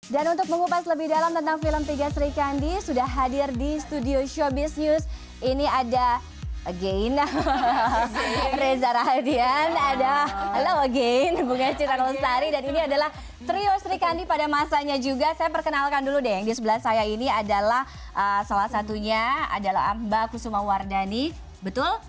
dan untuk mengupas lebih dalam tentang film tiga sri kandi sudah hadir di studio showbiz news ini ada again reza radian ada hello again bunga cita nusari dan ini adalah trio sri kandi pada masanya juga saya perkenalkan dulu deh yang di sebelah saya ini adalah salah satunya adalah mbak kusuma wardani betul